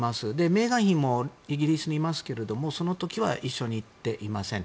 メーガン妃もイギリスにいますがその時は一緒に行っていません。